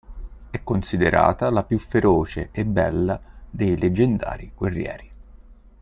È considerata la più feroce e bella dei Leggendari Guerrieri.